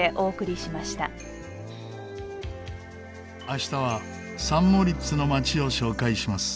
明日はサン・モリッツの街を紹介します。